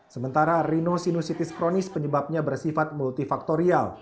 sementara rhinosinusitis kronis penyebabnya bersifat multifaktorial